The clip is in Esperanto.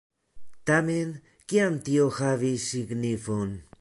Tamen, kian tio havis signifon?